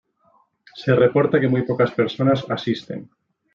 Se reporta que muy pocas personas asisten.